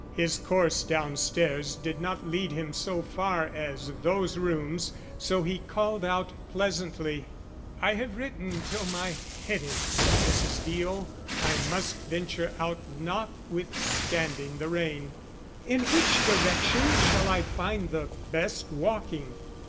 His course down stairs did not lead him so far as those rooms, so he called out pleasantly: "I have written till my head aches, Mrs. Deo. I must venture out notwithstanding the rain. In which direction shall I find the best walking?"